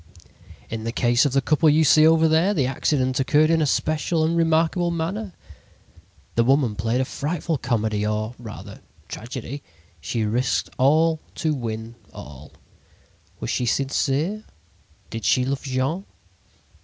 "In the case of the couple you see over there the accident occurred in a special and terrible manner. The little woman played a frightful comedy, or, rather, tragedy. She risked all to win all. Was she sincere? Did she love Jean?